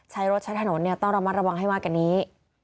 ใช้รถใช้ถนนต้องระมัดระวังให้มากกว่านี้